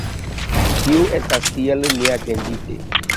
Tio estas tiel neatendite.